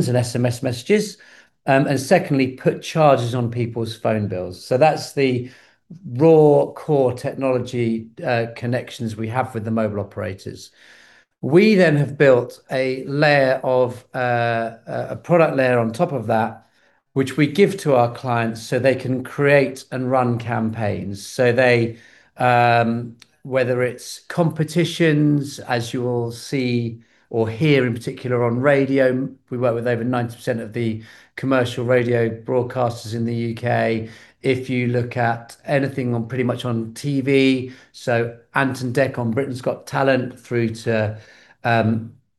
SMS messages. Secondly, put charges on people's phone bills. That's the raw core technology, connections we have with the mobile operators. We then have built a layer of, a product layer on top of that, which we give to our clients so they can create and run campaigns. They whether it's competitions, as you will see or hear in particular on radio, work with over 90% of the commercial radio broadcasters in the U.K. If you look at anything on pretty much on TV, so Ant & Dec on Britain's Got Talent through to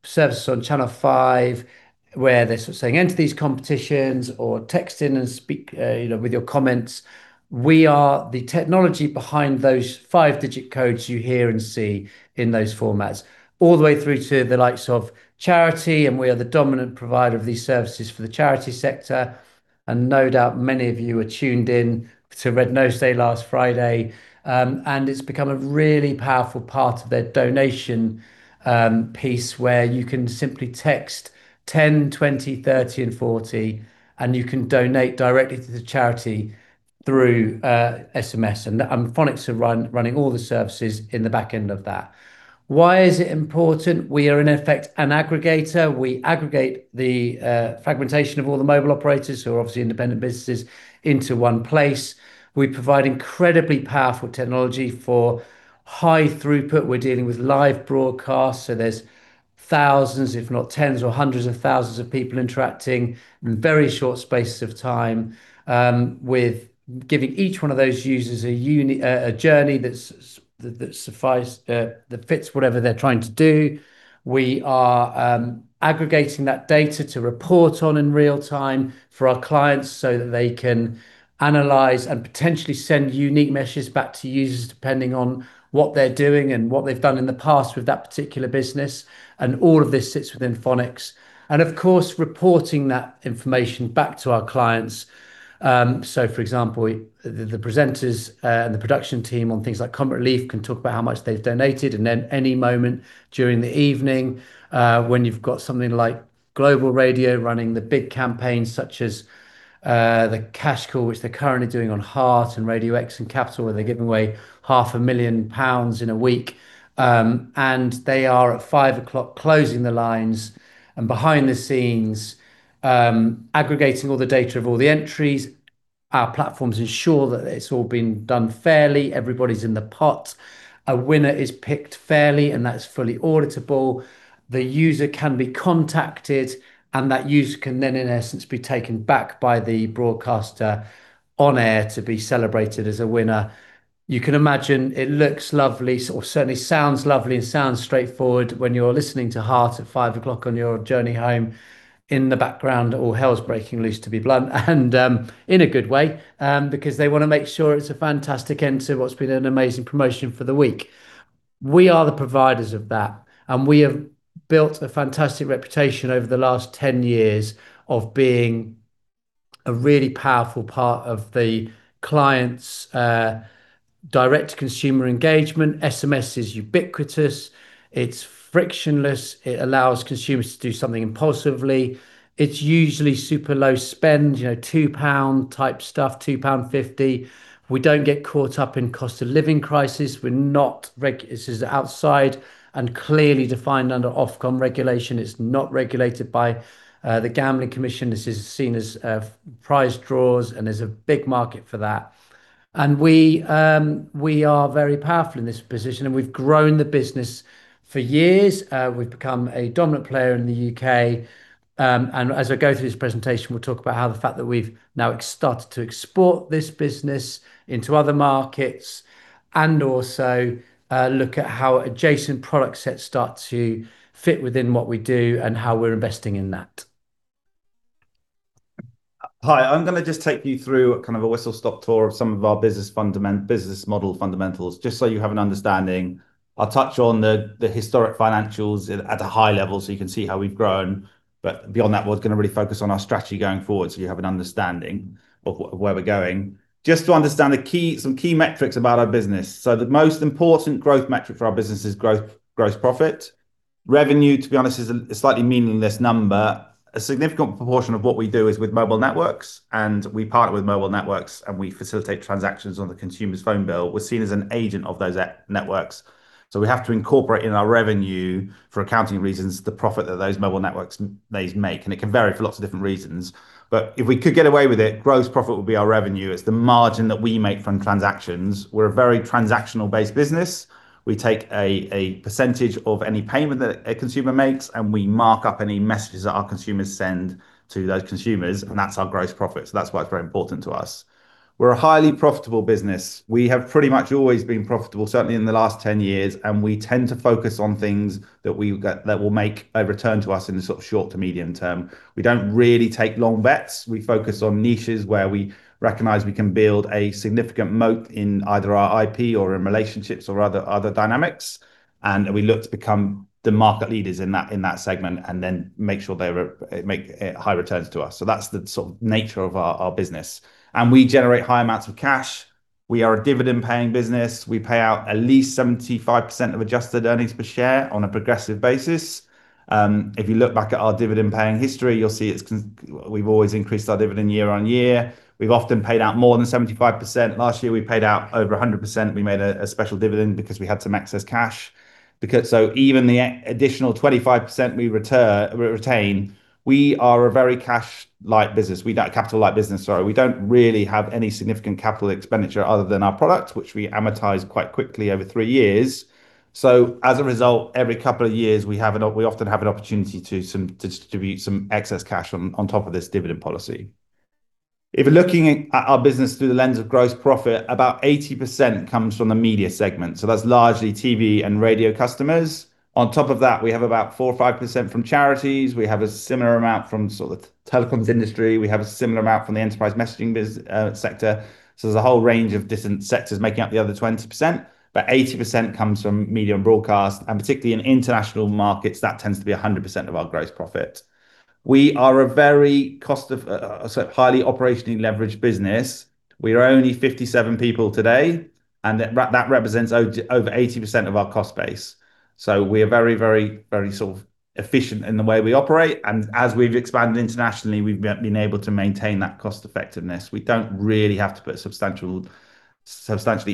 services on Channel 5, where they're sort of saying, "Enter these competitions or text in and speak with your comments," we are the technology behind those five-digit codes you hear and see in those formats, all the way through to the likes of charity, and we are the dominant provider of these services for the charity sector. No doubt many of you are tuned in to Red Nose Day last Friday. It's become a really powerful part of their donation piece where you can simply text 10, 20, 30, and 40, and you can donate directly to the charity through SMS. Fonix are running all the services in the back end of that. Why is it important? We are in effect an aggregator. We aggregate the fragmentation of all the mobile operators who are obviously independent businesses into one place. We provide incredibly powerful technology for high throughput. We're dealing with live broadcasts, so there's thousands if not tens or hundreds of thousands of people interacting in very short spaces of time with giving each one of those users a journey that's that fits whatever they're trying to do. We are aggregating that data to report on in real time for our clients so that they can analyze and potentially send unique messages back to users depending on what they're doing and what they've done in the past with that particular business, and all of this sits within Fonix. Of course, reporting that information back to our clients. For example, the presenters and the production team on things like Comic Relief can talk about how much they've donated. Any moment during the evening, when you've got something like Global Radio running the big campaigns such as the Cash Call, which they're currently doing on Heart and Radio X and Capital, where they're giving away 500,000 pounds in a week, they are at 5:00 P.M. closing the lines and behind the scenes, aggregating all the data of all the entries. Our platforms ensure that it's all been done fairly, everybody's in the pot. A winner is picked fairly, and that's fully auditable. The user can be contacted, and that user can then in essence be taken back by the broadcaster on air to be celebrated as a winner. You can imagine it looks lovely, or certainly sounds lovely and sounds straightforward when you're listening to Heart at 5:00 P.M. on your journey home. In the background, all hell's breaking loose, to be blunt, and in a good way, because they wanna make sure it's a fantastic end to what's been an amazing promotion for the week. We are the providers of that, and we have built a fantastic reputation over the last 10 years of being a really powerful part of the client's direct consumer engagement. SMS is ubiquitous, it's frictionless, it allows consumers to do something impulsively. It's usually super low spend, you know, 2 pound type stuff, 2.50 pound. We don't get caught up in cost of living crisis. This is outside and clearly defined under Ofcom regulation. It's not regulated by the Gambling Commission. This is seen as prize draws, and there's a big market for that. We are very powerful in this position, and we've grown the business for years. We've become a dominant player in the U.K. as I go through this presentation, we'll talk about how the fact that we've now started to export this business into other markets and also look at how adjacent product sets start to fit within what we do and how we're investing in that. Hi, I'm gonna just take you through kind of a whistle-stop tour of some of our business model fundamentals, just so you have an understanding. I'll touch on the historic financials at a high level so you can see how we've grown. Beyond that, we're gonna really focus on our strategy going forward so you have an understanding of where we're going. Just to understand some key metrics about our business. The most important growth metric for our business is gross profit. Revenue, to be honest, is a slightly meaningless number. A significant proportion of what we do is with mobile networks, and we partner with mobile networks, and we facilitate transactions on the consumer's phone bill. We're seen as an agent of those networks. We have to incorporate in our revenue for accounting reasons, the profit that those mobile networks may make, and it can vary for lots of different reasons. If we could get away with it, gross profit would be our revenue. It's the margin that we make from transactions. We're a very transactional-based business. We take a percentage of any payment that a consumer makes, and we mark up any messages that our consumers send to those consumers, and that's our gross profit. That's why it's very important to us. We're a highly profitable business. We have pretty much always been profitable, certainly in the last 10 years, and we tend to focus on things that will make a return to us in the sort of short to medium term. We don't really take long bets. We focus on niches where we recognize we can build a significant moat in either our IP or in relationships or other dynamics. We look to become the market leaders in that segment and then make sure they make high returns to us. That's the sort of nature of our business. We generate high amounts of cash. We are a dividend-paying business. We pay out at least 75% of adjusted earnings per share on a progressive basis. If you look back at our dividend-paying history, you'll see it's consistent. We've always increased our dividend year-over-year. We've often paid out more than 75%. Last year, we paid out over 100%. We made a special dividend because we had some excess cash. Even the additional 25% we retain, we are a very cash generative business. We are a capital-light business. We don't really have any significant capital expenditure other than our product, which we amortize quite quickly over three years. As a result, every couple of years, we often have an opportunity to distribute some excess cash on top of this dividend policy. If we're looking at our business through the lens of gross profit, about 80% comes from the Media segment. That's largely TV and radio customers. On top of that, we have about four or five% from charities. We have a similar amount from sort of telecoms industry. We have a similar amount from the enterprise messaging sector. There's a whole range of different sectors making up the other 20%. 80% comes from media and broadcast, and particularly in international markets, that tends to be 100% of our gross profit. We are a very cost-effective, highly operationally leveraged business. We are only 57 people today, and that represents over 80% of our cost base. We are very sort of efficient in the way we operate, and as we've expanded internationally, we've been able to maintain that cost effectiveness. We don't really have to put substantially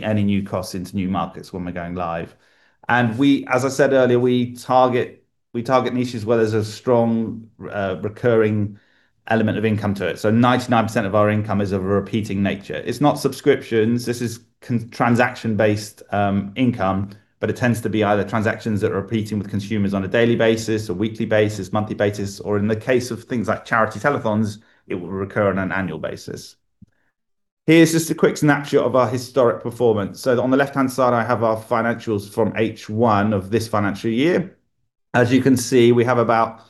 any new costs into new markets when we're going live. We, as I said earlier, target niches where there's a strong recurring element of income to it. 99% of our income is of a repeating nature. It's not subscriptions. This is transaction-based income, but it tends to be either transactions that are repeating with consumers on a daily basis, a weekly basis, monthly basis, or in the case of things like charity telethons, it will recur on an annual basis. Here's just a quick snapshot of our historic performance. On the left-hand side, I have our financials from H1 of this financial year. As you can see, we have about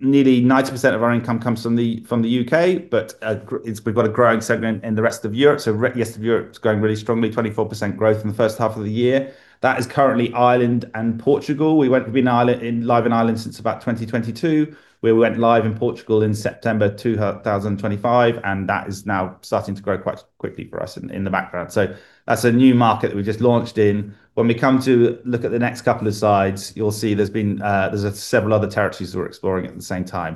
nearly 90% of our income comes from the U.K., but we've got a growing segment in the rest of Europe. Rest of Europe is growing really strongly, 24% growth in the first half of the year. That is currently Ireland and Portugal. We've been live in Ireland since about 2022. We went live in Portugal in September 2025, and that is now starting to grow quite quickly for us in the background. That's a new market that we just launched in. When we come to look at the next couple of slides, you'll see there's been several other territories we're exploring at the same time.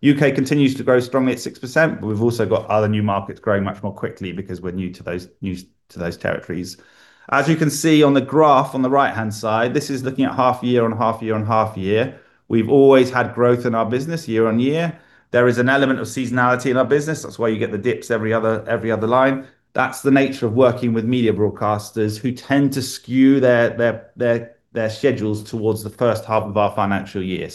U.K. continues to grow strongly at 6%, but we've also got other new markets growing much more quickly because we're new to those territories. As you can see on the graph on the right-hand side, this is looking at half year on half year on half year. We've always had growth in our business year-on-year. There is an element of seasonality in our business. That's why you get the dips every other line. That's the nature of working with media broadcasters who tend to skew their schedules towards the first half of our financial year.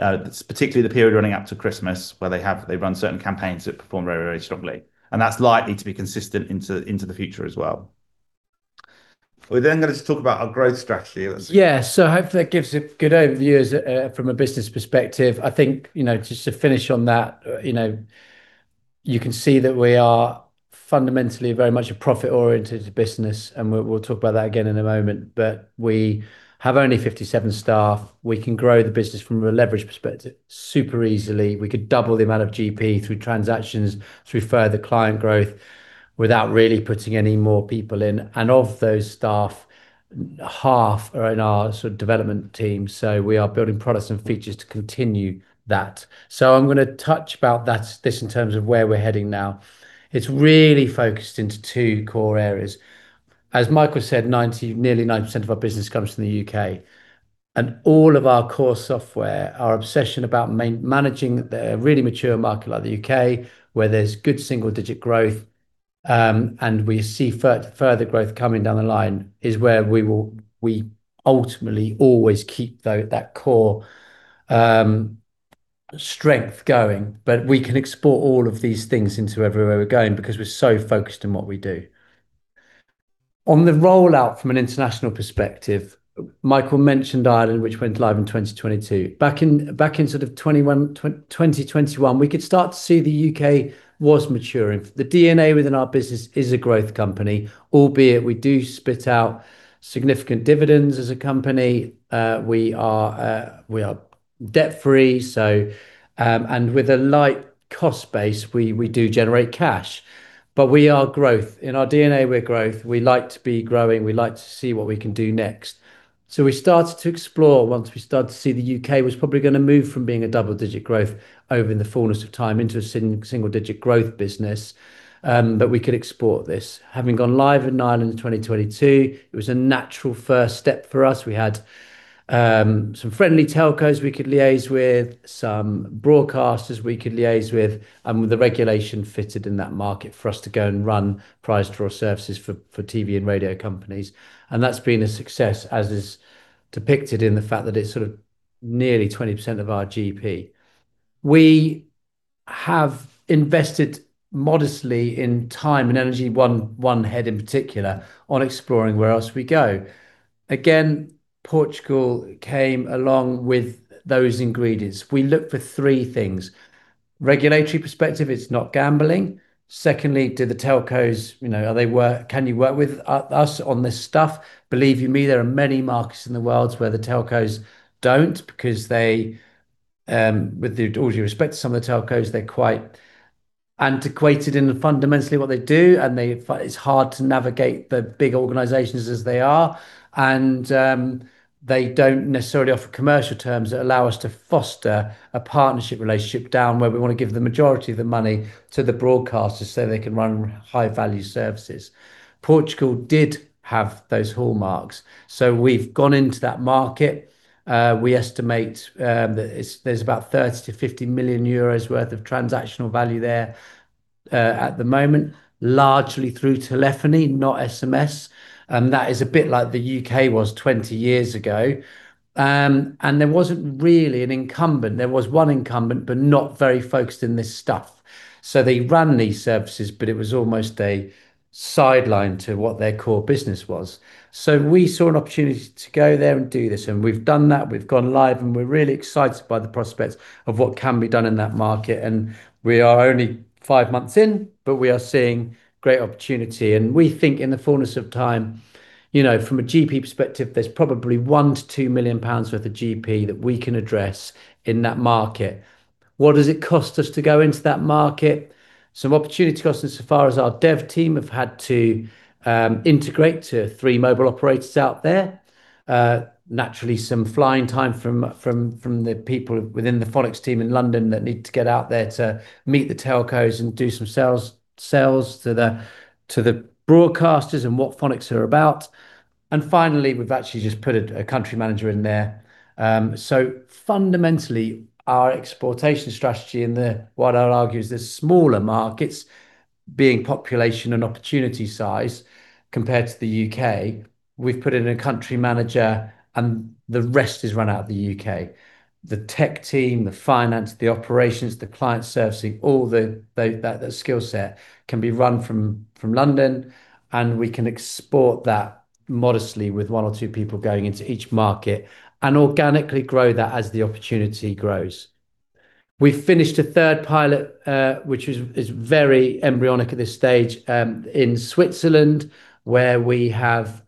It's particularly the period running up to Christmas where they run certain campaigns that perform very, very strongly, and that's likely to be consistent into the future as well. We're then gonna just talk about our growth strategy. Yeah. Hopefully that gives a good overview as, from a business perspective. I think, you know, just to finish on that, you know, you can see that we are fundamentally very much a profit-oriented business, and we'll talk about that again in a moment. We have only 57 staff. We can grow the business from a leverage perspective super easily. We could double the amount of GP through transactions, through further client growth without really putting any more people in. Of those staff, half are in our sort of development team, so we are building products and features to continue that. I'm gonna touch about that, this in terms of where we're heading now. It's really focused into two core areas. As Michael said, nearly 90% of our business comes from the U.K. All of our core software, our obsession about managing the really mature market like the U.K., where there's good single-digit growth, and we see further growth coming down the line is where we will ultimately always keep that core strength going. We can export all of these things into everywhere we're going because we're so focused on what we do. On the rollout from an international perspective, Michael mentioned Ireland, which went live in 2022. Back in sort of 2021, we could start to see the U.K. was maturing. The DNA within our business is a growth company, albeit we do spit out significant dividends as a company. We are debt-free, so, and with a light cost base, we do generate cash. We are growth. In our DNA, we're growth. We like to be growing. We like to see what we can do next. We started to explore once we started to see the U.K. was probably gonna move from being a double-digit growth over in the fullness of time into a single-digit growth business, that we could export this. Having gone live in Ireland in 2022, it was a natural first step for us. We had some friendly telcos we could liaise with, some broadcasters we could liaise with, and the regulation fitted in that market for us to go and run prize draw services for TV and radio companies. That's been a success, as is depicted in the fact that it's sort of nearly 20% of our GP. We have invested modestly in time and energy, one head in particular, on exploring where else we go. Again, Portugal came along with those ingredients. We look for three things. Regulatory perspective, it's not gambling. Secondly, do the telcos, you know, can you work with us on this stuff? Believe you me, there are many markets in the world where the telcos don't because with all due respect to some of the telcos, they're quite antiquated in fundamentally what they do, and it's hard to navigate the big organizations as they are. They don't necessarily offer commercial terms that allow us to foster a partnership relationship down where we wanna give the majority of the money to the broadcasters so they can run high-value services. Portugal did have those hallmarks. We've gone into that market. We estimate that there's about 30 million-50 million euros worth of transactional value there at the moment, largely through telephony, not SMS. That is a bit like the U.K. was 20 years ago. There wasn't really an incumbent. There was one incumbent, but not very focused in this stuff. They ran these services, but it was almost a sideline to what their core business was. We saw an opportunity to go there and do this, and we've done that. We've gone live, and we're really excited by the prospects of what can be done in that market. We are only 5 months in, but we are seeing great opportunity. We think in the fullness of time, you know, from a GP perspective, there's probably 1 million-2 million pounds worth of GP that we can address in that market. What does it cost us to go into that market? Some opportunity costs insofar as our dev team have had to integrate to 3 mobile operators out there. Naturally, some flying time from the people within the Fonix team in London that need to get out there to meet the telcos and do some sales to the broadcasters and what Fonix are about. Finally, we've actually just put a country manager in there. Fundamentally, our expansion strategy in the, what I'd argue is the smaller markets, being population and opportunity size compared to the U.K., we've put in a country manager and the rest is run out of the U.K. The tech team, the finance, the operations, the client servicing, all the skill set can be run from London, and we can export that modestly with one or two people going into each market and organically grow that as the opportunity grows. We finished a third pilot, which is very embryonic at this stage, in Switzerland, where we have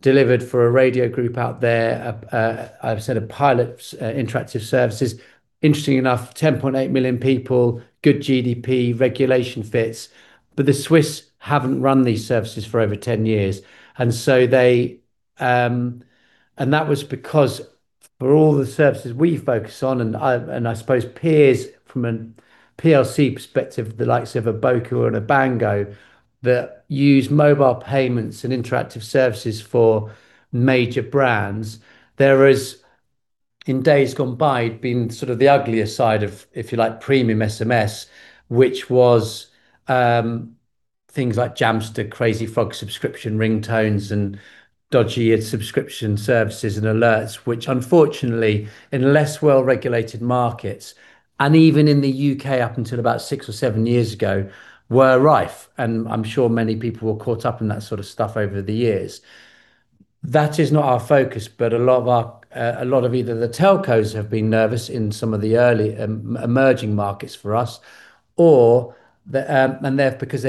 delivered for a radio group out there, a set of pilot interactive services. Interestingly enough, 10.8 million people, good GDP, regulation fits. The Swiss haven't run these services for over 10 years. That was because for all the services we focus on, and I suppose peers from a PLC perspective, the likes of a Boku and a Bango, that use mobile payments and interactive services for major brands. There is, in days gone by, been sort of the uglier side of, if you like, premium SMS, which was things like Jamster, Crazy Frog subscription ringtones, and dodgy subscription services and alerts, which unfortunately, in less well-regulated markets, and even in the U.K. up until about six or seven years ago, were rife. I'm sure many people were caught up in that sort of stuff over the years. That is not our focus, but a lot of the telcos have been nervous in some of the early emerging markets for us, or they've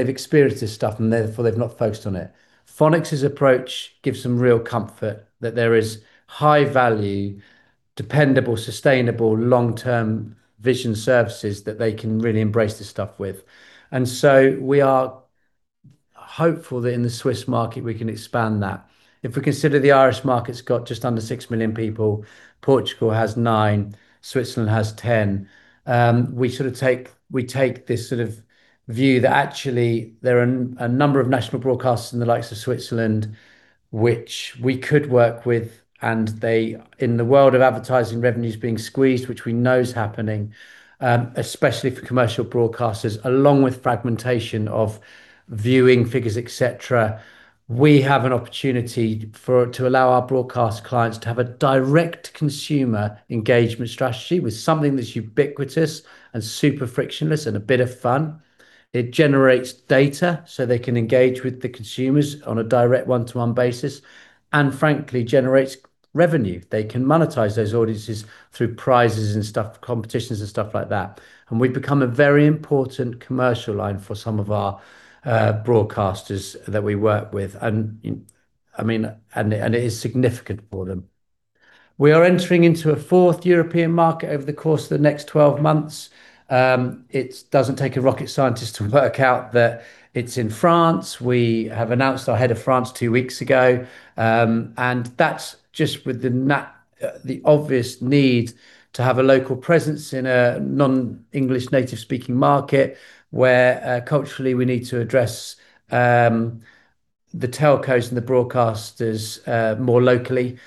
experienced this stuff and therefore they've not focused on it. Fonix's approach gives them real comfort that there is high value, dependable, sustainable, long-term vision services that they can really embrace this stuff with. We are hopeful that in the Swiss market we can expand that. If we consider the Irish market's got just under 6 million people, Portugal has 9, Switzerland has 10, we sort of take this sort of view that actually there are a number of national broadcasts in the likes of Switzerland which we could work with, and they, in the world of advertising revenues being squeezed, which we know is happening, especially for commercial broadcasters, along with fragmentation of viewing figures, etc., we have an opportunity to allow our broadcast clients to have a direct consumer engagement strategy with something that's ubiquitous and super frictionless and a bit of fun. It generates data so they can engage with the consumers on a direct one-to-one basis, and frankly, generates revenue. They can monetize those audiences through prizes and stuff, competitions and stuff like that. We've become a very important commercial line for some of our broadcasters that we work with. It is significant for them. We are entering into a fourth European market over the course of the next 12 months. It doesn't take a rocket scientist to work out that it's in France. We have announced our Head of France two weeks ago. That's just with the obvious need to have a local presence in a non-English native speaking market, where culturally we need to address the telcos and the broadcasters more locally.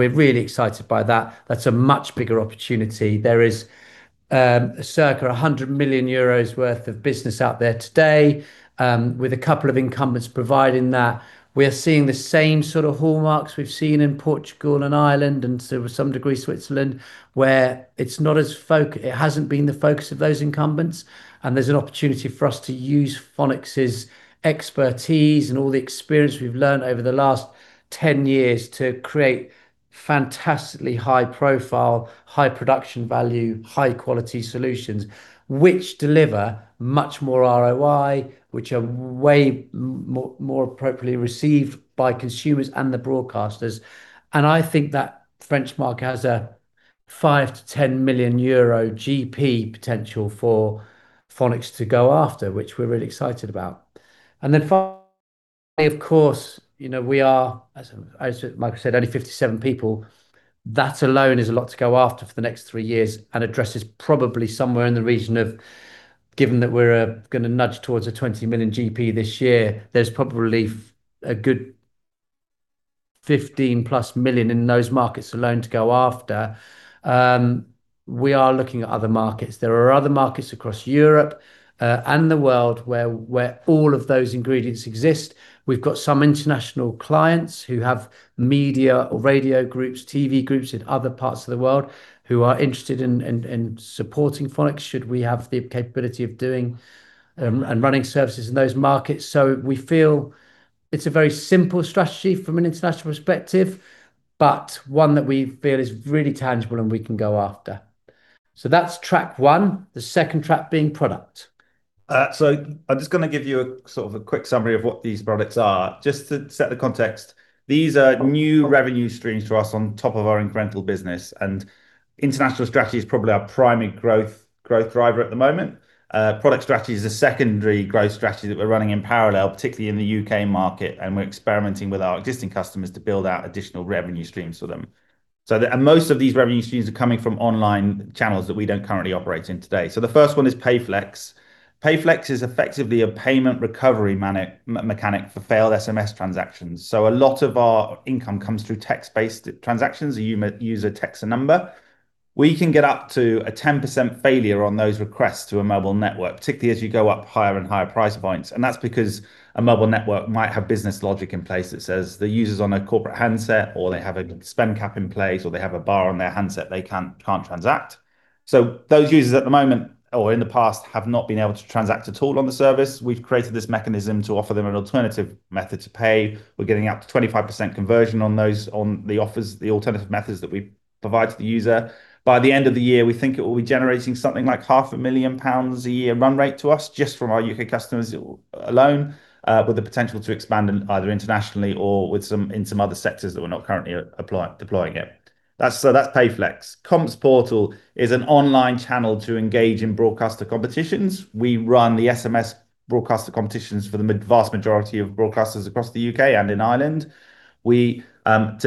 We're really excited by that. That's a much bigger opportunity. There is circa 100 million euros worth of business out there today with a couple of incumbents providing that. We are seeing the same sort of hallmarks we've seen in Portugal and Ireland and to some degree Switzerland, where it hasn't been the focus of those incumbents, and there's an opportunity for us to use Fonix's expertise and all the experience we've learned over the last 10 years to create fantastically high profile, high production value, high quality solutions which deliver much more ROI, which are way more appropriately received by consumers and the broadcasters. I think that French market has a 5-10 million euro GP potential for Fonix to go after, which we're really excited about. Then finally, of course, you know, we are, as Michael said, only 57 people. That alone is a lot to go after for the next three years and addresses probably somewhere in the region of, given that we're gonna nudge towards a 20 million GP this year, there's probably a good 15+ million in those markets alone to go after. We are looking at other markets. There are other markets across Europe and the world where all of those ingredients exist. We've got some international clients who have media or radio groups, TV groups in other parts of the world who are interested in supporting Fonix should we have the capability of doing and running services in those markets. We feel it's a very simple strategy from an international perspective, but one that we feel is really tangible and we can go after. That's track one, the second track being product. I'm just gonna give you a sort of a quick summary of what these products are. Just to set the context, these are new revenue streams to us on top of our incremental business, and international strategy is probably our primary growth driver at the moment. Product strategy is a secondary growth strategy that we're running in parallel, particularly in the U.K. market, and we're experimenting with our existing customers to build out additional revenue streams for them. Most of these revenue streams are coming from online channels that we don't currently operate in today. The first one is PayFlex. PayFlex is effectively a payment recovery mechanic for failed SMS transactions. A lot of our income comes through text-based transactions. A user texts a number. We can get up to a 10% failure on those requests to a mobile network, particularly as you go up higher and higher price points. That's because a mobile network might have business logic in place that says the user's on a corporate handset, or they have a spend cap in place, or they have a bar on their handset they can't transact. Those users at the moment or in the past have not been able to transact at all on the service. We've created this mechanism to offer them an alternative method to pay. We're getting up to 25% conversion on those, on the offers, the alternative methods that we provide to the user. By the end of the year, we think it will be generating something like half a million pounds a year run rate to us just from our U.K. customers alone, with the potential to expand either internationally or with some in some other sectors that we're not currently deploying it. That's PayFlex. CompsPortal is an online channel to engage in broadcaster competitions. We run the SMS broadcaster competitions for the vast majority of broadcasters across the U.K. and in Ireland. Lots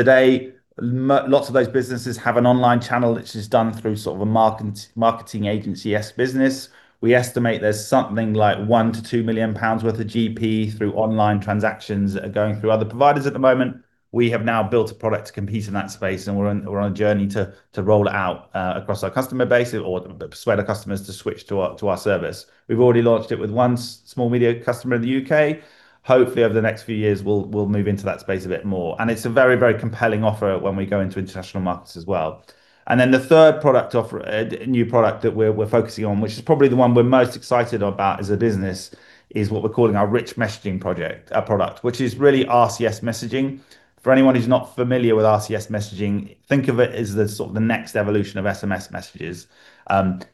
of those businesses have an online channel which is done through sort of a marketing agency-esque business. We estimate there's something like 1-2 million pounds worth of GP through online transactions that are going through other providers at the moment. We have now built a product to compete in that space, and we're on a journey to roll out across our customer base or persuade our customers to switch to our service. We've already launched it with one small media customer in the U.K. Hopefully, over the next few years, we'll move into that space a bit more, and it's a very, very compelling offer when we go into international markets as well. Then the third product offer, new product that we're focusing on, which is probably the one we're most excited about as a business, is what we're calling our rich messaging project, product, which is really RCS messaging. For anyone who's not familiar with RCS messaging, think of it as the sort of the next evolution of SMS messages.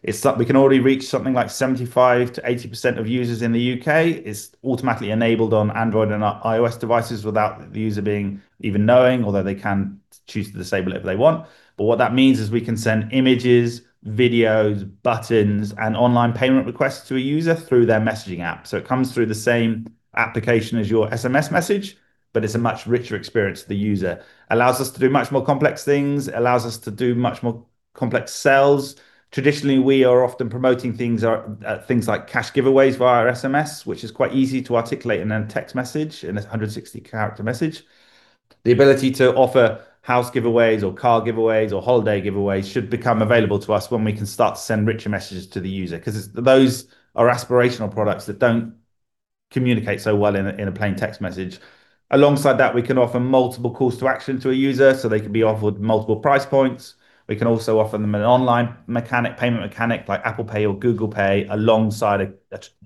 It's like we can already reach something like 75%-80% of users in the U.K. It's automatically enabled on Android and iOS devices without the user being even knowing, although they can choose to disable it if they want. What that means is we can send images, videos, buttons, and online payment requests to a user through their messaging app. It comes through the same application as your SMS message, but it's a much richer experience to the user. Allows us to do much more complex things, allows us to do much more complex sells. Traditionally, we are often promoting things like cash giveaways via SMS, which is quite easy to articulate in a text message, in a 160-character message. The ability to offer house giveaways or car giveaways or holiday giveaways should become available to us when we can start to send richer messages to the user 'cause it's those are aspirational products that don't communicate so well in a plain text message. Alongside that, we can offer multiple calls to action to a user, so they can be offered multiple price points. We can also offer them an online payment mechanic like Apple Pay or Google Pay alongside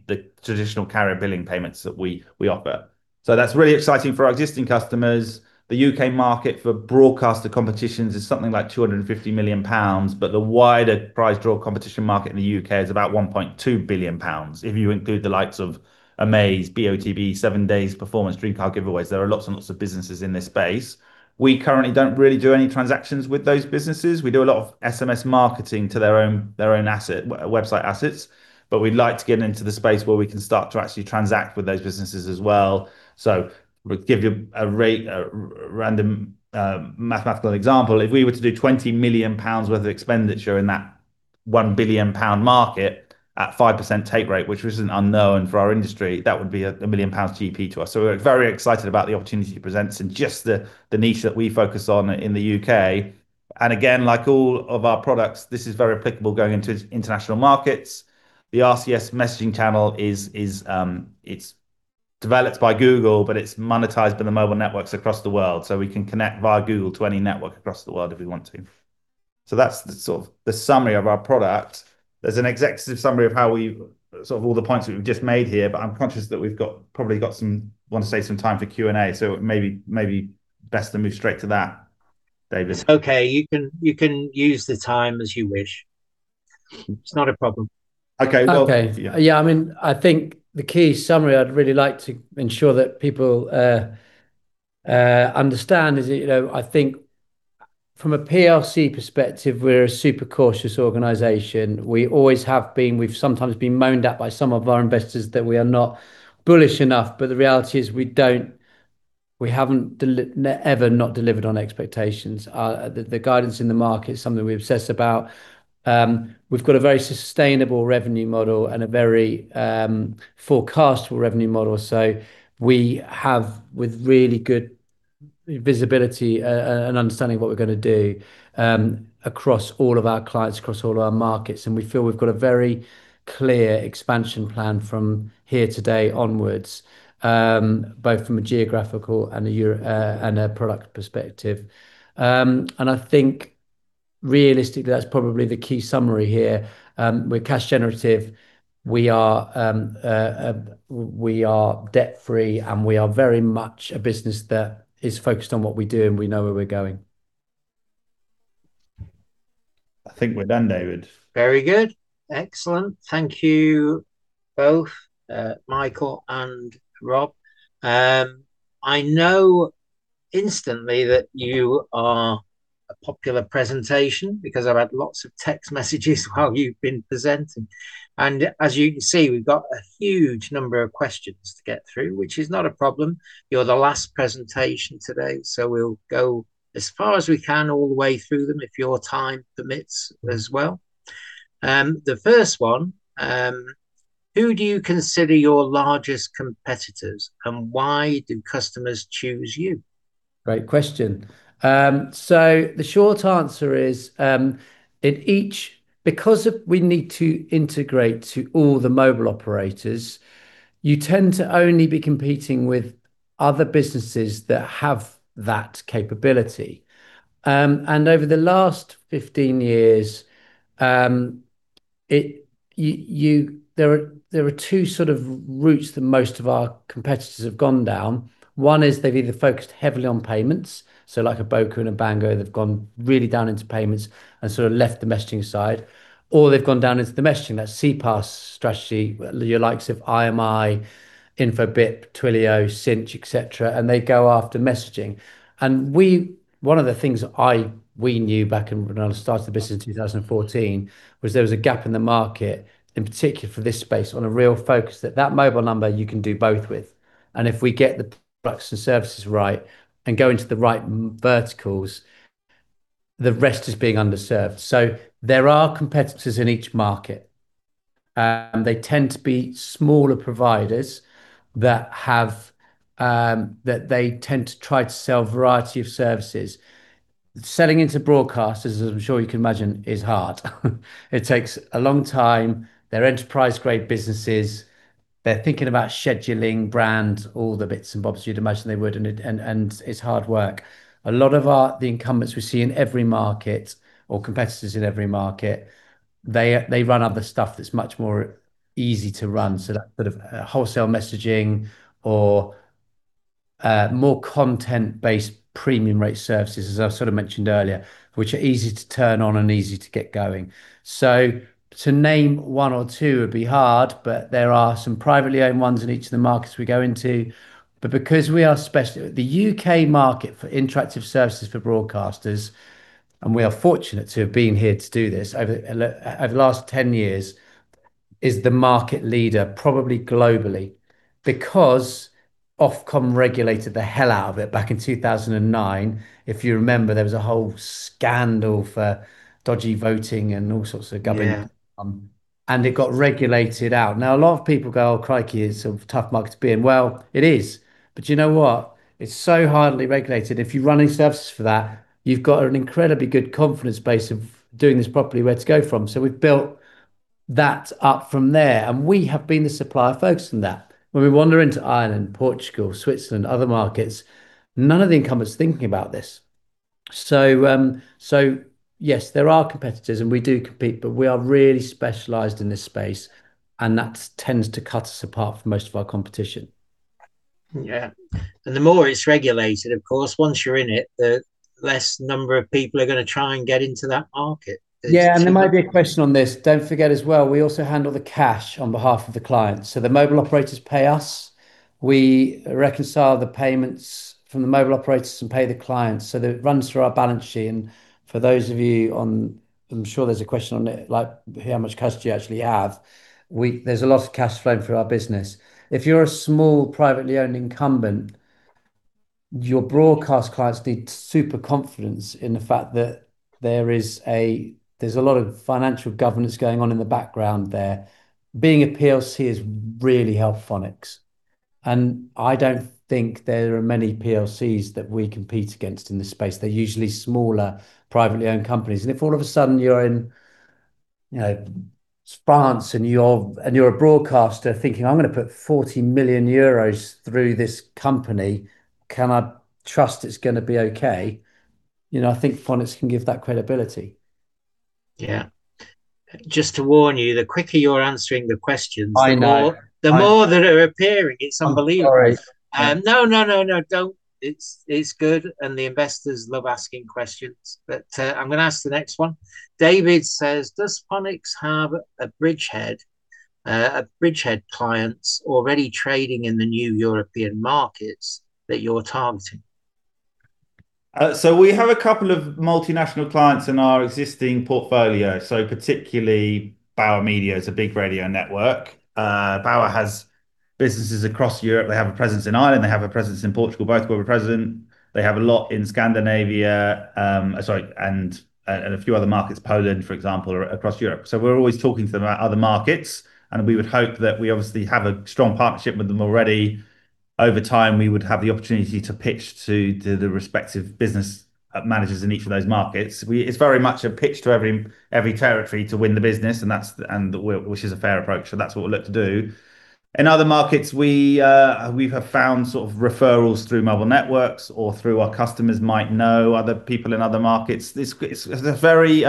the traditional carrier billing payments that we offer. That's really exciting for our existing customers. The U.K. market for broadcaster competitions is something like 250 million pounds, but the wider prize draw competition market in the U.K. is about 1.2 billion pounds if you include the likes of Omaze, BOTB, 7days, Performance Street Car Giveaways. There are lots and lots of businesses in this space. We currently don't really do any transactions with those businesses. We do a lot of SMS marketing to their own asset, website assets, but we'd like to get into the space where we can start to actually transact with those businesses as well. We'll give you a random mathematical example. If we were to do 20 million pounds worth of expenditure in that 1 billion pound market at 5% take rate, which isn't unknown for our industry, that would be a 1 million pounds GP to us. We're very excited about the opportunity it presents in just the niche that we focus on in the U.K., and again, like all of our products, this is very applicable going into international markets. The RCS messaging channel is. It's developed by Google, but it's monetized by the mobile networks across the world, so we can connect via Google to any network across the world if we want to. That's the sort of summary of our product. There's an executive summary of how we've sort of all the points that we've just made here, but I'm conscious that we've probably got some want to save some time for Q&A. Maybe best to move straight to that, David. Okay. You can use the time as you wish. It's not a problem. Okay. Well Okay. Yeah. Yeah, I mean, I think the key summary I'd really like to ensure that people understand is that, you know, I think from a PLC perspective, we're a super cautious organization. We always have been. We've sometimes been moaned at by some of our investors that we are not bullish enough. The reality is we haven't ever not delivered on expectations. The guidance in the market is something we obsess about. We've got a very sustainable revenue model and a very forecastable revenue model. We have, with really good visibility, and understanding of what we're gonna do, across all of our clients, across all our markets, and we feel we've got a very clear expansion plan from here today onwards, both from a geographical and a European and a product perspective. I think realistically that's probably the key summary here. We're cash generative. We are debt-free, and we are very much a business that is focused on what we do, and we know where we're going. I think we're done, David. Very good. Excellent. Thank you both, Michael and Rob. I know instantly that you are a popular presentation because I've had lots of text messages while you've been presenting. As you can see, we've got a huge number of questions to get through, which is not a problem. You're the last presentation today, so we'll go as far as we can all the way through them if your time permits as well. The first one: Who do you consider your largest competitors, and why do customers choose you? Great question. So the short answer is, because we need to integrate to all the mobile operators, you tend to only be competing with other businesses that have that capability. And over the last 15 years, there are two sort of routes that most of our competitors have gone down. One is they've either focused heavily on payments, so like a Boku and a Bango that've gone really down into payments and sort of left the messaging side. Or they've gone down into the messaging, that CPaaS strategy, the likes of IMImobile, Infobip, Twilio, Sinch, etc., and they go after messaging. We... One of the things we knew back when I started the business in 2014 was there was a gap in the market, in particular for this space, with a real focus that mobile number you can do both with. If we get the products and services right and go into the right verticals, the rest is being underserved. There are competitors in each market, they tend to be smaller providers that tend to try to sell a variety of services. Selling into broadcasters, as I'm sure you can imagine, is hard. It takes a long time. They're enterprise-grade businesses. They're thinking about scheduling, brand, all the bits and bobs you'd imagine they would, and it's hard work. A lot of our incumbents we see in every market or competitors in every market. They run other stuff that's much more easy to run, so that sort of wholesale messaging or more content-based premium rate services, as I sort of mentioned earlier, which are easy to turn on and easy to get going. To name one or two would be hard, but there are some privately owned ones in each of the markets we go into. Because we are specialty. The U.K. market for interactive services for broadcasters, and we are fortunate to have been here to do this over the last 10 years, is the market leader probably globally because Ofcom regulated the hell out of it back in 2009. If you remember, there was a whole scandal for dodgy voting and all sorts of government. Yeah It got regulated out. Now, a lot of people go, "Oh, crikey, it's a tough market to be in." Well, it is. You know what? It's so highly regulated, if you're running services for that, you've got an incredibly good confidence base of doing this properly, where to go from. We've built that up from there, and we have been the supplier focused on that. When we wander into Ireland, Portugal, Switzerland, other markets, none of the incumbents are thinking about this. Yes, there are competitors, and we do compete, but we are really specialized in this space, and that's tends to cut us apart from most of our competition. Yeah. The more it's regulated, of course, once you're in it, the less number of people are gonna try and get into that market. Yeah, there might be a question on this. Don't forget as well, we also handle the cash on behalf of the client. The mobile operators pay us, we reconcile the payments from the mobile operators and pay the clients. It runs through our balance sheet. For those of you on, I'm sure there's a question on it, like how much cash do you actually have, there's a lot of cash flowing through our business. If you're a small, privately owned incumbent, your broadcast clients need super confidence in the fact that there's a lot of financial governance going on in the background there. Being a PLC has really helped Fonix, and I don't think there are many PLCs that we compete against in this space. They're usually smaller, privately owned companies. If all of a sudden you're in, you know, France and you're a broadcaster thinking, "I'm gonna put 40 million euros through this company. Can I trust it's gonna be okay?" You know, I think Fonix can give that credibility. Yeah. Just to warn you, the quicker you're answering the questions. I know. The more that are appearing. It's unbelievable. Sorry. No, don't. It's good, and the investors love asking questions. I'm gonna ask the next one. David says, "Does Fonix have bridgehead clients already trading in the new European markets that you're targeting? We have a couple of multinational clients in our existing portfolio, particularly Bauer Media. It's a big radio network. Bauer has businesses across Europe. They have a presence in Ireland, they have a presence in Portugal, both where we're present. They have a lot in Scandinavia, and a few other markets, Poland, for example, or across Europe. We're always talking to them about other markets, and we would hope that we obviously have a strong partnership with them already. Over time, we would have the opportunity to pitch to the respective business managers in each of those markets. It's very much a pitch to every territory to win the business, and that's, which is a fair approach, so that's what we'll look to do. In other markets, we have found sort of referrals through mobile networks or through our customers might know other people in other markets. It's a very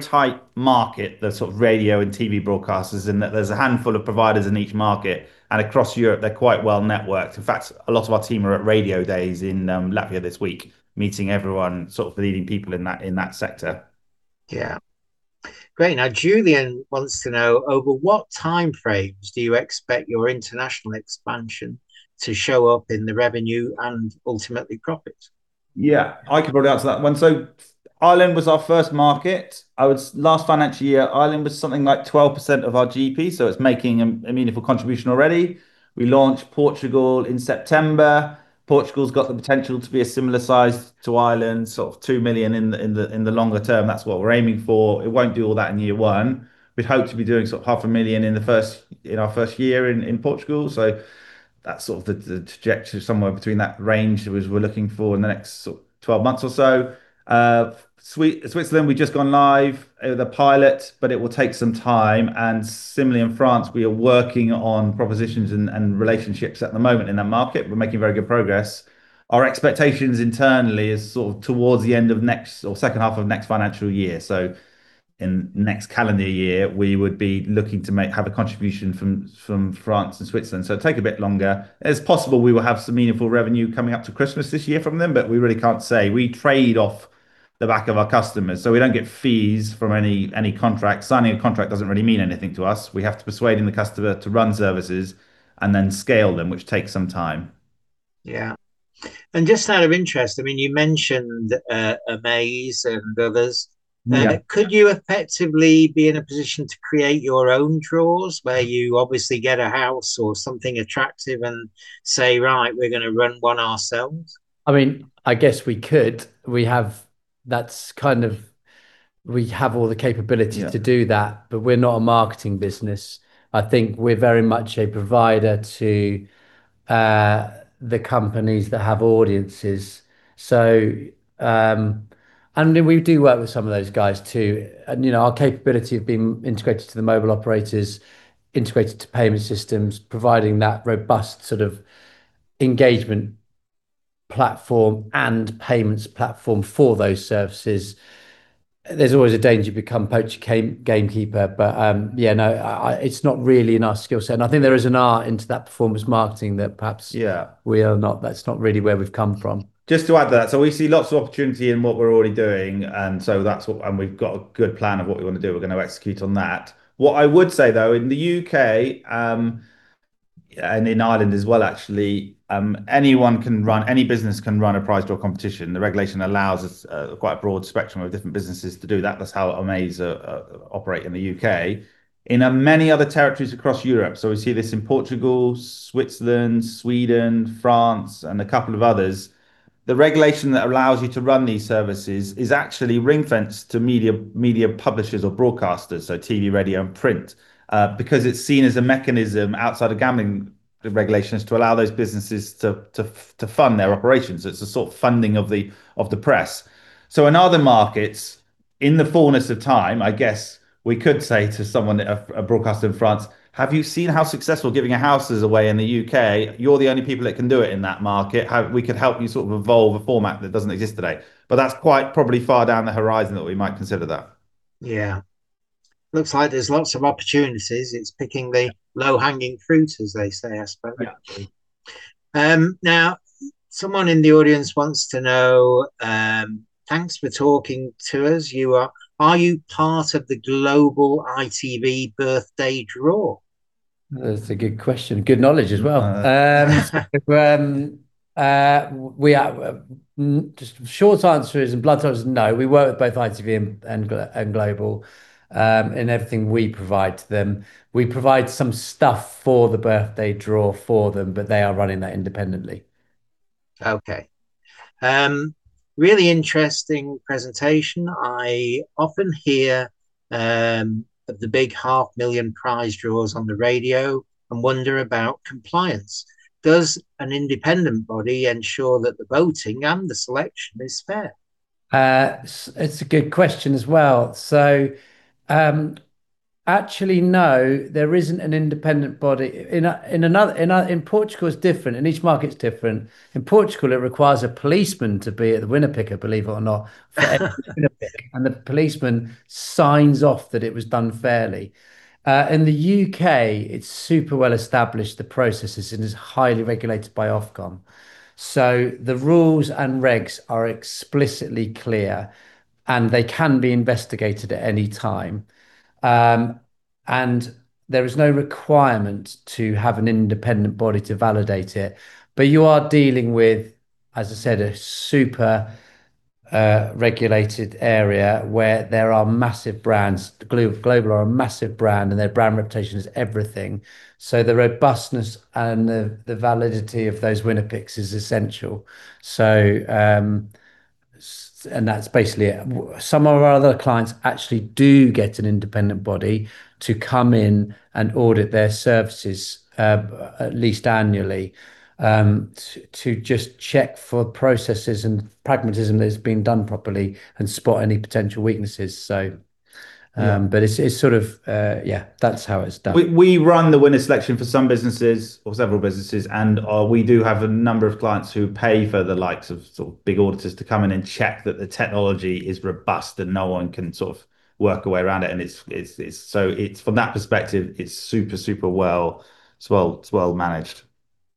tight market, the sort of radio and TV broadcasters, in that there's a handful of providers in each market. Across Europe, they're quite well-networked. In fact, a lot of our team are at Radiodays Europe in Latvia this week, meeting everyone, sort of the leading people in that sector. Yeah. Great. Now, Julian wants to know, over what time frames do you expect your international expansion to show up in the revenue and ultimately profit? Yeah, I can probably answer that one. Ireland was our first market. I would say last financial year, Ireland was something like 12% of our GP, so it's making a meaningful contribution already. We launched Portugal in September. Portugal's got the potential to be a similar size to Ireland, sort of 2 million in the longer term. That's what we're aiming for. It won't do all that in year one. We'd hope to be doing sort of half a million GBP in our first year in Portugal, so that's sort of the trajectory, somewhere between that range is what we're looking for in the next 12 months or so. Switzerland, we've just gone live with a pilot, but it will take some time. Similarly in France, we are working on propositions and relationships at the moment in that market. We're making very good progress. Our expectations internally is sort of towards the end of next or second half of next financial year. In next calendar year, we would be looking to make, have a contribution from France and Switzerland, so take a bit longer. It is possible we will have some meaningful revenue coming up to Christmas this year from them, but we really can't say. We trade off the back of our customers, so we don't get fees from any contract. Signing a contract doesn't really mean anything to us. We have to persuading the customer to run services and then scale them, which takes some time. Yeah. Just out of interest, I mean, you mentioned Omaze and others. Yeah. Now, could you effectively be in a position to create your own draws, where you obviously get a house or something attractive and say, "Right, we're gonna run one ourselves"? I mean, I guess we could. We have all the capabilities to do that, but we're not a marketing business. I think we're very much a provider to the companies that have audiences. Then we do work with some of those guys too. You know, our capability of being integrated to the mobile operators, integrated to payment systems, providing that robust sort of engagement platform and payments platform for those services, there's always a danger you become poacher gamekeeper. It's not really in our skill set. I think there is an art into that performance marketing that perhaps, we are not, that's not really where we've come from. Just to add to that. We see lots of opportunity in what we're already doing, and that's what we've got a good plan of what we wanna do. We're gonna execute on that. What I would say though, in the U.K., and in Ireland as well actually, anyone can run, any business can run a prize draw competition. The regulation allows a quite broad spectrum of different businesses to do that. That's how Omaze operate in the U.K. In many other territories across Europe, we see this in Portugal, Switzerland, Sweden, France, and a couple of others, the regulation that allows you to run these services is actually ring-fenced to media publishers or broadcasters, so TV, radio, and print. Because it's seen as a mechanism outside of gambling regulations to allow those businesses to fund their operations. It's a sort of funding of the press. In other markets, in the fullness of time, I guess we could say to someone, a broadcaster in France, "Have you seen how successful giving away a house is in the U.K.? You're the only people that can do it in that market. How we could help you sort of evolve a format that doesn't exist today." That's quite probably far down the horizon that we might consider that. Yeah. Looks like there's lots of opportunities. It's picking the low-hanging fruit, as they say, I suppose actually. Yeah. Now someone in the audience wants to know, "Thanks for talking to us. Are you part of the Global ITV Birthday Draw? That's a good question. Good knowledge as well. Uh. Just short answer is, and blunt answer is no. We work with both ITV and Global in everything we provide to them. We provide some stuff for The Birthday Draw for them, but they are running that independently. Okay. Really interesting presentation. I often hear of the big half-million prize draws on the radio and wonder about compliance. Does an independent body ensure that the voting and the selection is fair? It's a good question as well. Actually, no, there isn't an independent body. In another, in Portugal it's different, and each market's different. In Portugal, it requires a policeman to be at the winner pick, believe it or not, for every winner pick. The policeman signs off that it was done fairly. In the U.K., it's super well-established, the processes, and is highly regulated by Ofcom. The rules and regs are explicitly clear, and they can be investigated at any time. There is no requirement to have an independent body to validate it. You are dealing with, as I said, a super regulated area where there are massive brands. Global are a massive brand, and their brand reputation is everything. The robustness and the validity of those winner picks is essential. That's basically it. Some of our other clients actually do get an independent body to come in and audit their services at least annually to just check for processes and pragmatism that it's been done properly and spot any potential weaknesses. Yeah It's sort of, yeah, that's how it's done. We run the winner selection for some businesses or several businesses, and we do have a number of clients who pay for the likes of sort of big auditors to come in and check that the technology is robust and no one can sort of work their way around it, and it's from that perspective super well managed.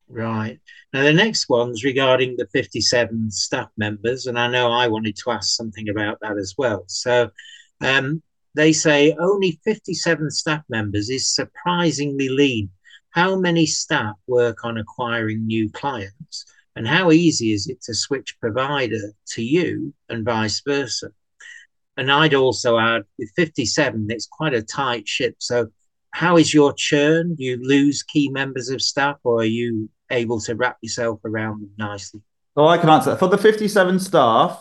Right. Now, the next one's regarding the 57 staff members, and I know I wanted to ask something about that as well. They say, "Only 57 staff members is surprisingly lean. How many staff work on acquiring new clients, and how easy is it to switch provider to you and vice versa?" And I'd also add, with 57, it's quite a tight ship. How is your churn? Do you lose key members of staff, or are you able to wrap yourself around them nicely? Well, I can answer that. For the 57 staff,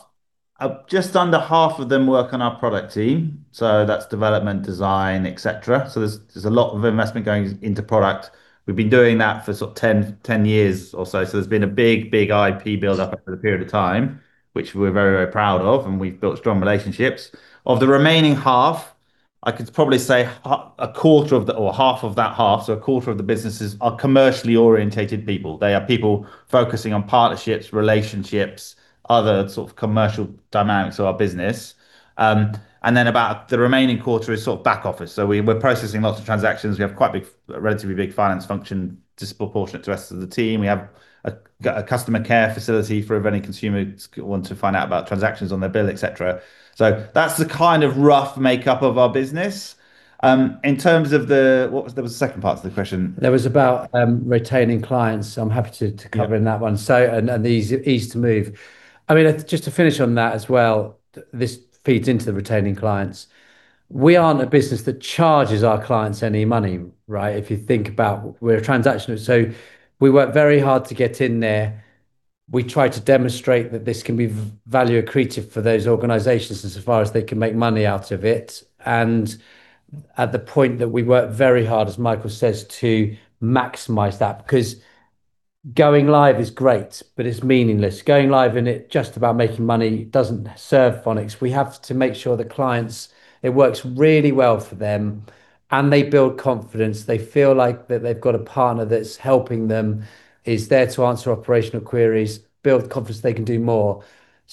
just under half of them work on our product team, so that's development, design, etc. There's a lot of investment going into product. We've been doing that for sort of 10 years or so. There's been a big IP buildup. Yeah Over the period of time, which we're very, very proud of, and we've built strong relationships. Of the remaining half, I could probably say a quarter of the businesses are commercially oriented people. They are people focusing on partnerships, relationships, other sort of commercial dynamics of our business. About the remaining quarter is sort of back office. We're processing lots of transactions. We have a relatively big finance function disproportionate to the rest of the team. We have got a customer care facility for if any consumers want to find out about transactions on their bill, et cetera. That's the kind of rough makeup of our business. In terms of the... What was the second part to the question? That was about retaining clients, so I'm happy to cover in that one. The easy to move. I mean, just to finish on that as well, this feeds into the retaining clients. We aren't a business that charges our clients any money, right? If you think about it, we're a transaction. We work very hard to get in there. We try to demonstrate that this can be value accretive for those organizations as far as they can make money out of it. At the point that we work very hard, as Michael says, to maximize that, because going live is great, but it's meaningless. Going live and it's just about making money doesn't serve Fonix. We have to make sure the clients, it works really well for them, and they build confidence. They feel like that they've got a partner that's helping them, is there to answer operational queries, build confidence they can do more.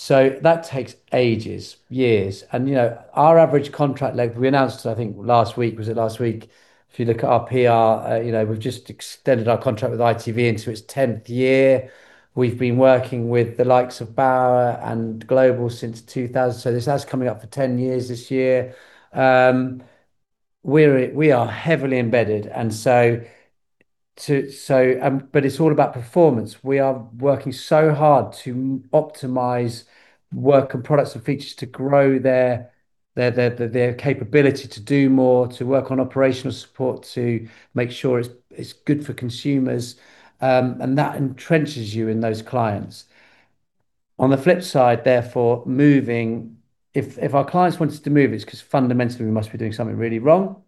That takes ages, years. You know, our average contract length, we announced I think last week. Was it last week? If you look at our PR, you know, we've just extended our contract with ITV into its 10th year. We've been working with the likes of Bauer and Global since 2000. This, that's coming up for 10 years this year. We are heavily embedded and so to, so, but it's all about performance. We are working so hard to optimize work and products and features to grow their capability to do more, to work on operational support, to make sure it's good for consumers. And that entrenches you in those clients. On the flip side, therefore, if our clients wanted to move, it's 'cause fundamentally we must be doing something really wrong.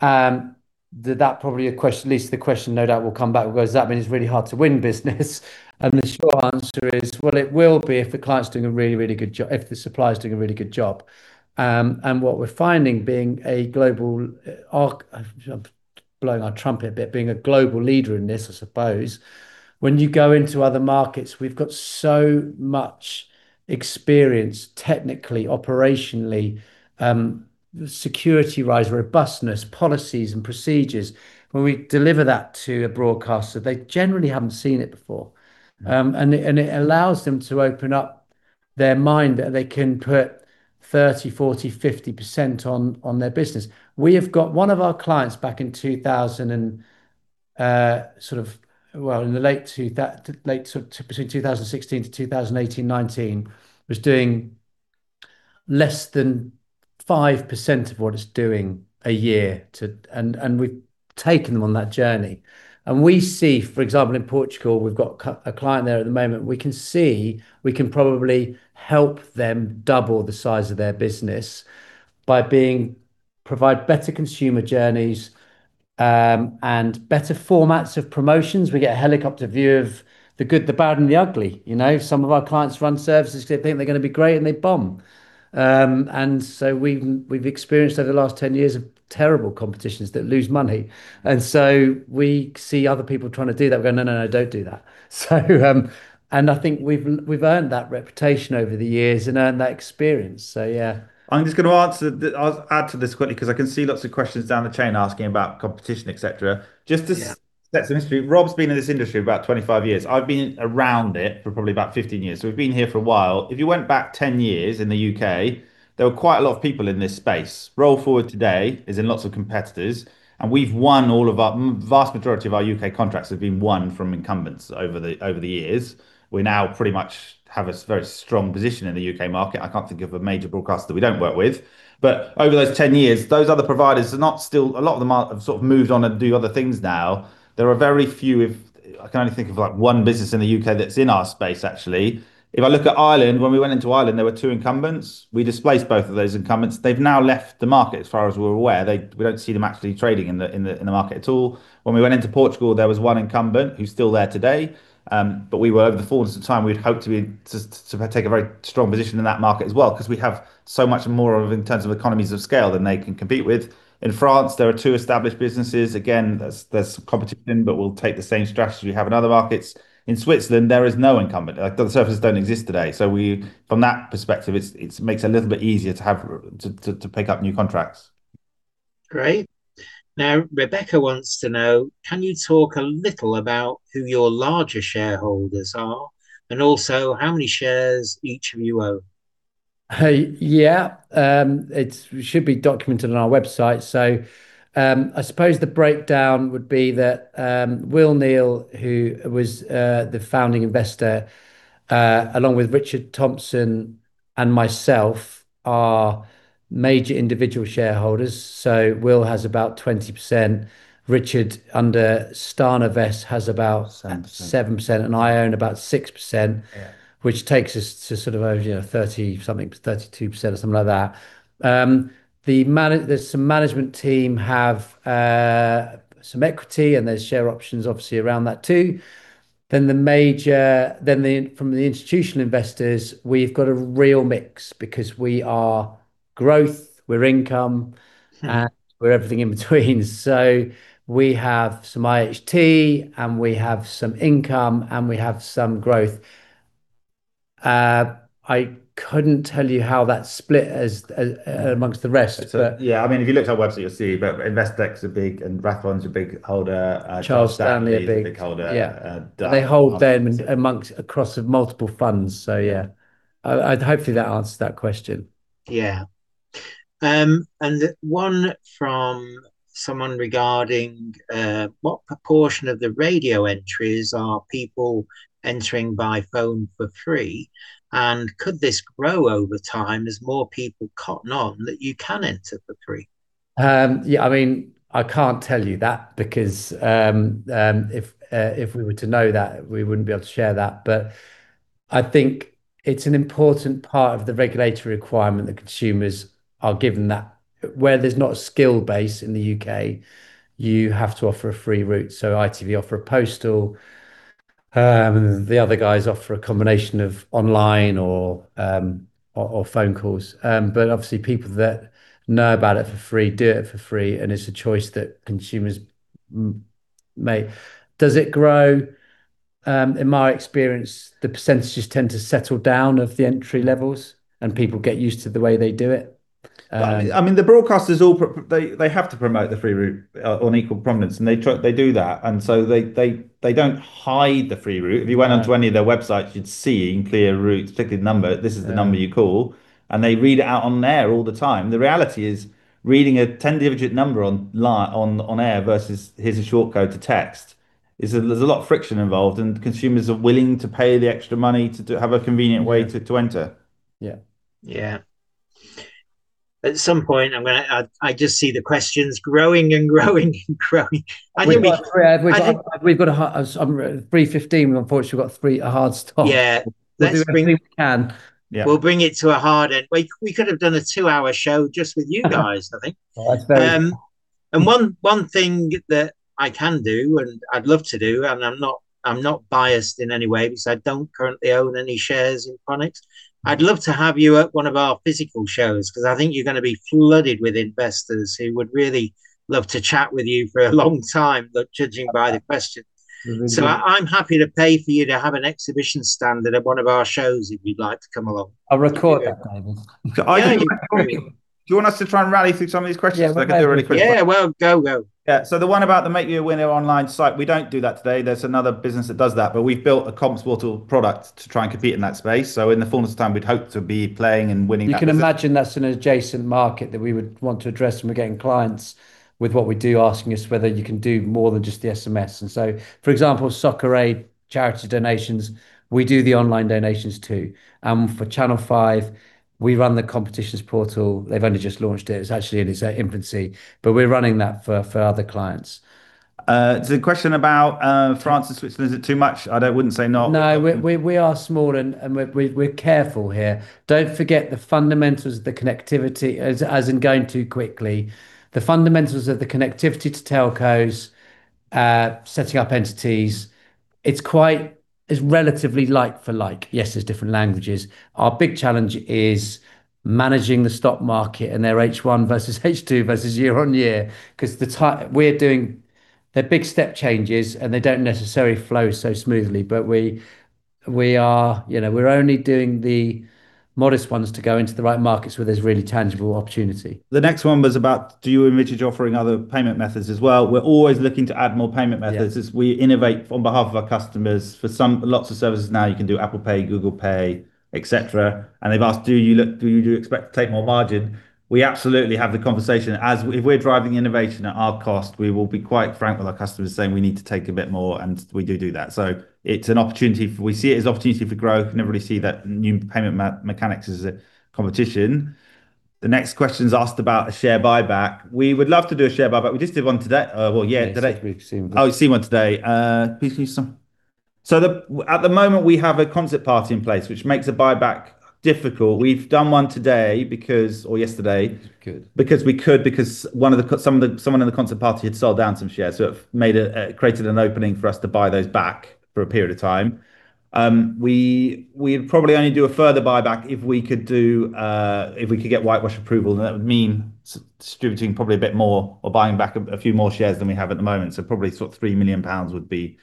That probably is a question that leads to the question no doubt will come back. Well, does that mean it's really hard to win business? The short answer is, well, it will be if the client's doing a really, really good job, if the supplier's doing a really good job. What we're finding, I've blown our trumpet a bit, being a global leader in this, I suppose. When you go into other markets, we've got so much experience technically, operationally, security-wise, robustness, policies and procedures. When we deliver that to a broadcaster, they generally haven't seen it before. It allows them to open up their mind that they can put 30%, 40%, 50% on their business. We have one of our clients back in 2000, sort of, well, in the late 2000s, that late sort of between 2016 to 2018, 2019, was doing less than 5% of what it's doing a year. We've taken them on that journey. We see, for example, in Portugal, we've got a client there at the moment. We can see we can probably help them double the size of their business by providing better consumer journeys and better formats of promotions. We get a helicopter view of the good, the bad and the ugly, you know? Some of our clients run services, they think they're gonna be great, and they bomb. We've experienced over the last 10 years of terrible competitions that lose money. We see other people trying to do that. We go, "No, no, don't do that." I think we've earned that reputation over the years and earned that experience. Yeah. I'm just gonna answer. I'll add to this quickly 'cause I can see lots of questions down the chain asking about competition, et cetera. Yeah. That's an industry. Rob's been in this industry about 25 years. I've been around it for probably about 15 years. We've been here for a while. If you went back 10 years in the U.K., there were quite a lot of people in this space. Roll forward today, there aren't lots of competitors, and we've won the vast majority of our U.K. contracts from incumbents over the years. We now pretty much have a very strong position in the U.K. market. I can't think of a major broadcaster we don't work with. Over those 10 years, those other providers are not still around. A lot of them have sort of moved on and do other things now. There are very few. I can only think of, like, one business in the U.K. that's in our space actually. If I look at Ireland, when we went into Ireland, there were two incumbents. We displaced both of those incumbents. They've now left the market as far as we're aware. We don't see them actually trading in the market at all. When we went into Portugal, there was one incumbent who's still there today, but over the course of time, we'd hoped to take a very strong position in that market as well, 'cause we have so much more in terms of economies of scale than they can compete with. In France, there are two established businesses. Again, there's competition, but we'll take the same strategy we have in other markets. In Switzerland, there is no incumbent. Like, those services don't exist today. We, from that perspective, it makes it a little bit easier to have to pick up new contracts. Great. Now, Rebecca wants to know, can you talk a little about who your larger shareholders are, and also how many shares each of you own? Yeah. It should be documented on our website. I suppose the breakdown would be that Will Neal, who was the founding investor, along with Richard Thompson and myself are major individual shareholders. Will has about 20%, Richard under Starnevesse has about- 7% 7%. I own about 6%. Yeah Which takes us to sort of over, you know, 30-something, 32% or something like that. The management team have some equity, and there's share options obviously around that too. From the institutional investors, we've got a real mix because we are growth, we're income and we're everything in between. We have some IHT and we have some income and we have some growth. I couldn't tell you how that's split as amongst the rest. But Yeah, I mean, if you looked at our website, you'll see, but Investec's a big and Rathbones a big holder. Charles Stanley. A big holder. Yeah. Uh, uh, They hold them among, across multiple funds, so yeah. Hopefully that answers that question. Yeah. One from someone regarding what proportion of the radio entries are people entering by phone for free? Could this grow over time as more people cotton on that you can enter for free? Yeah, I mean, I can't tell you that because, if we were to know that, we wouldn't be able to share that. I think it's an important part of the regulatory requirement that consumers are given that. Where there's not a skill base in the U.K., you have to offer a free route. ITV offer a postal, the other guys offer a combination of online or phone calls. Obviously people that know about it for free do it for free, and it's a choice that consumers make. Does it grow? In my experience, the percentages tend to settle down of the entry levels and people get used to the way they do it. I mean, the broadcasters all have to promote the free route on equal prominence and they try. They do that. They don't hide the free route. Yeah. If you went onto any of their websites, you'd see in clear terms, ticket number. Yeah This is the number you call and they read it out on there all the time. The reality is reading a 10-digit number on air versus here's a short code to text. There's a lot of friction involved and consumers are willing to pay the extra money to have a convenient way to enter. Yeah. Yeah. At some point I'm gonna, I just see the questions growing and growing and growing. I think we- It's 3:15 P.M. We've unfortunately got a hard stop. Yeah. Let's bring. We'll do our best we can. Yeah. We'll bring it to a hard end. We could have done a two-hour show just with you guys, I think. Oh, that's very kind. One thing that I can do, and I'd love to do, and I'm not biased in any way because I don't currently own any shares in Fonix. I'd love to have you at one of our physical shows 'cause I think you're gonna be flooded with investors who would really love to chat with you for a long time, but judging by the questions. Mm-hmm. I'm happy to pay for you to have an exhibition stand at one of our shows if you'd like to come along. I'll record that, David. Yeah, you can record me. Do you want us to try and rally through some of these questions? Yeah. I can do a really quick one. Yeah. We'll go. Yeah. The one about the Make Me a Winner online site, we don't do that today. There's another business that does that, but we've built a CompsPortal product to try and compete in that space. In the fullness of time, we'd hope to be playing and winning that business. You can imagine that's an adjacent market that we would want to address from getting clients with what we do, asking us whether you can do more than just the SMS. For example, Soccer Aid charity donations, we do the online donations too. For Channel 5 we run the competitions portal. They've only just launched it. It's actually in its infancy, but we're running that for other clients. There's a question about France and Switzerland. Is it too much? I wouldn't say no. No. We are small and we're careful here. Don't forget the fundamentals of the connectivity as in going too quickly. The fundamentals of the connectivity to telcos, setting up entities, it's relatively like for like. Yes, there's different languages. Our big challenge is managing the stock market and their H1 versus H2 versus year-on-year 'cause we're doing, they're big step changes and they don't necessarily flow so smoothly, but we are, you know, we're only doing the modest ones to go into the right markets where there's really tangible opportunity. The next one was about do you envisage offering other payment methods as well? We're always looking to add more payment methods. Yeah As we innovate on behalf of our customers. For some, lots of services now you can do Apple Pay, Google Pay, etc. They've asked, "Do you expect to take more margin?" We absolutely have the conversation. If we're driving innovation at our cost, we will be quite frank with our customers saying we need to take a bit more, and we do that. It's an opportunity for growth and don't really see that new payment mechanics as a competition. The next question's asked about a share buyback. We would love to do a share buyback. We just did one today, well, yeah, today. Yeah, today. We've seen one. Oh, you've seen one today. Please read some. At the moment we have a concert party in place, which makes a buyback difficult. We've done one today because, or yesterday- Because we could. Because someone in the concert party had sold down some shares, so it created an opening for us to buy those back for a period of time. We'd probably only do a further buyback if we could get whitewash approval, and that would mean distributing probably a bit more or buying back a few more shares than we have at the moment. Probably sort of 3 million pounds would be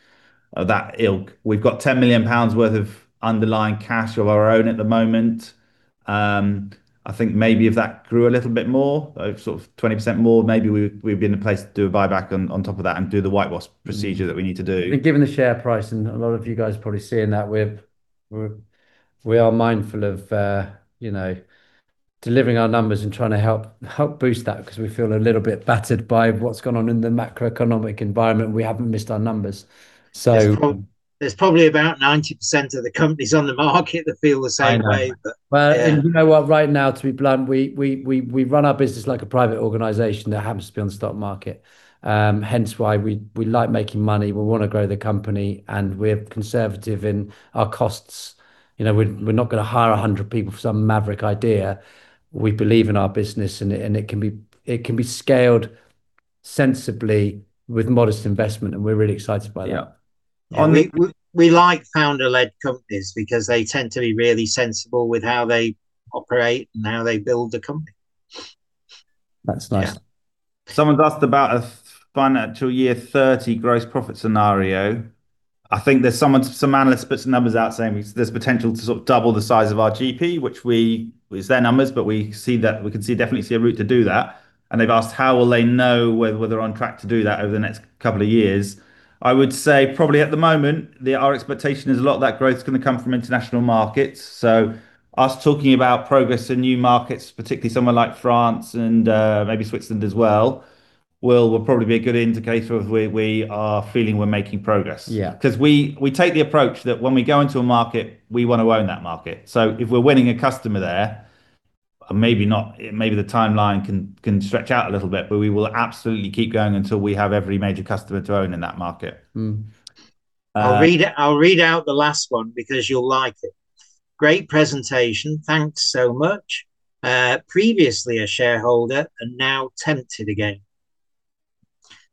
of that ilk. We've got 10 million pounds worth of underlying cash of our own at the moment. I think maybe if that grew a little bit more, sort of 20% more, maybe we'd be in a place to do a buyback on top of that and do the whitewash procedure. Mm that we need to do. I think given the share price, and a lot of you guys are probably seeing that, we are mindful of, you know, delivering our numbers and trying to help boost that, 'cause we feel a little bit battered by what's gone on in the macroeconomic environment, and we haven't missed our numbers. There's probably about 90% of the companies on the market that feel the same way. I know. Yeah. Well, you know what? Right now, to be blunt, we run our business like a private organization that happens to be on the stock market. Hence why we like making money, we wanna grow the company, and we're conservative in our costs. You know, we're not gonna hire 100 people for some maverick idea. We believe in our business and it can be scaled sensibly with modest investment, and we're really excited by that. Yeah. And we- We like founder-led companies because they tend to be really sensible with how they operate and how they build a company. That's nice. Yeah. Someone's asked about a FY 2030 gross profit scenario. I think there's someone, some analyst who spits the numbers out saying there's potential to sort of double the size of our GP, which it was their numbers, but we can definitely see a route to do that. They've asked how they will know whether they're on track to do that over the next couple of years. I would say probably at the moment our expectation is a lot of that growth's gonna come from international markets, so us talking about progress in new markets, particularly somewhere like France and maybe Switzerland as well, will probably be a good indicator of where we are feeling we're making progress. Yeah. 'Cause we take the approach that when we go into a market we wanna own that market. If we're winning a customer there, maybe the timeline can stretch out a little bit, but we will absolutely keep going until we have every major customer to own in that market. Mm. Uh- I'll read it, I'll read out the last one because you'll like it. "Great presentation. Thanks so much. Previously a shareholder and now tempted again."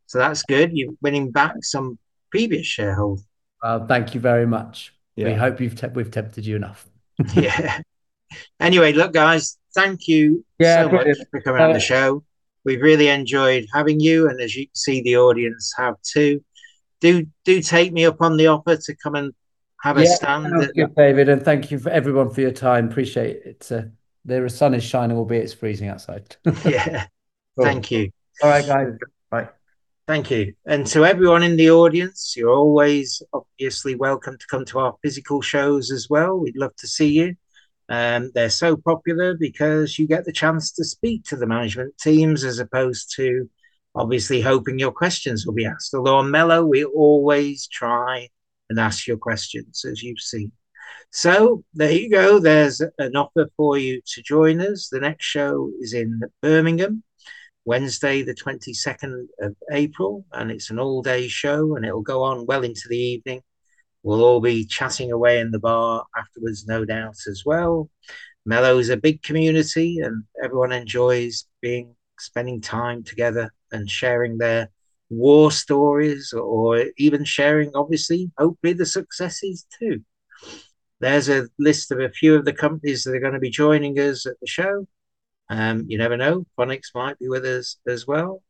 So that's good. You're winning back some previous shareholders. Well, thank you very much. Yeah. We hope we've tempted you enough. Yeah. Anyway, look, guys, thank you so much. Yeah. Yeah for coming on the show. We've really enjoyed having you, and as you can see, the audience have too. Do take me up on the offer to come and have a stand at the Yeah. Sounds good, David, and thank you, everyone, for your time. Appreciate it. It's the sun is shining, albeit it's freezing outside. Yeah. Thank you. All right, guys. Bye. Thank you. To everyone in the audience, you're always obviously welcome to come to our physical shows as well. We'd love to see you. They're so popular because you get the chance to speak to the management teams as opposed to obviously hoping your questions will be asked. Although on Mello, we always try and ask your questions, as you've seen. There you go. There's an offer for you to join us. The next show is in Birmingham, Wednesday the 22nd of April, and it's an all-day show, and it'll go on well into the evening. We'll all be chatting away in the bar afterwards no doubt as well. Mello is a big community and everyone enjoys being, spending time together and sharing their war stories or even sharing, obviously, hopefully the successes too. There's a list of a few of the companies that are gonna be joining us at the show. You never know, Fonix might be with us as well.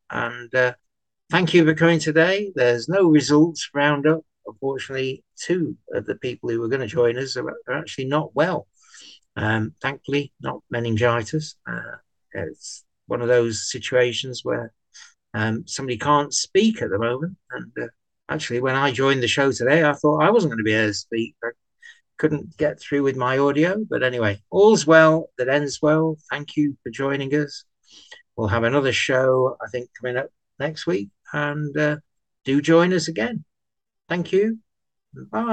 Thank you for coming today. There's no results roundup. Unfortunately, two of the people who were gonna join us are actually not well. Thankfully, not meningitis. It's one of those situations where somebody can't speak at the moment. Actually when I joined the show today, I thought I wasn't gonna be able to speak. I couldn't get through with my audio. Anyway, all's well that ends well. Thank you for joining us. We'll have another show I think coming up next week. Do join us again. Thank you. Bye.